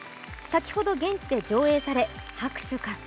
先ほど現地で上映され拍手喝采。